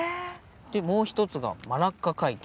もう一つがマラッカ海峡。